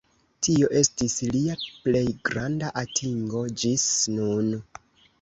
Tio estis lia plej granda atingo ĝis nun.